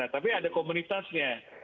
tapi ada komunitasnya